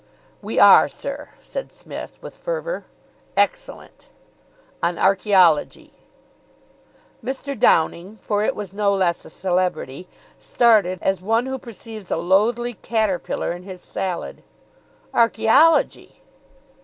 "We are, sir," said Psmith, with fervour. "Excellent." "On archaeology." Mr. Downing for it was no less a celebrity started, as one who perceives a loathly caterpillar in his salad. "Archaeology!"